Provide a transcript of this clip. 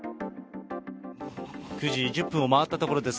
９時１０分を回ったところです。